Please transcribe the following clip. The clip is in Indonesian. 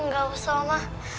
gak usah oma